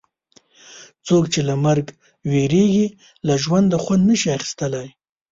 څوک چې له مرګ وېرېږي له ژونده خوند نه شي اخیستلای.